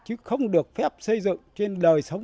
chứ không được phép xây dựng trên đời sống của nhà cửa